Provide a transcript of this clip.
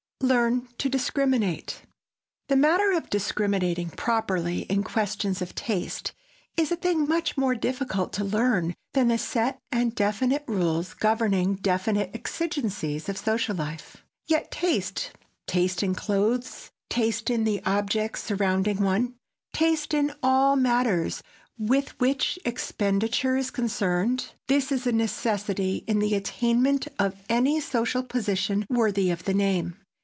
[Sidenote: LEARN TO DISCRIMINATE] The matter of discriminating properly in questions of taste is a thing much more difficult to learn than the set and definite rules governing definite exigencies of social life. Yet taste,—taste in clothes, taste in the objects surrounding one, taste in all matters with which expenditure is concerned,—this is a necessity in the attainment of any social position worthy of the name.